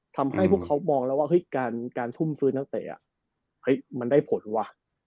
ทำให้พวกเขามองแล้วว่าเฮ้ยการทุ่มซื้อนักเตะมันได้ผลว่ะ